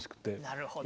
なるほど。